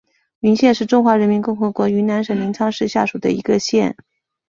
云县是中华人民共和国云南省临沧市下属的一个县。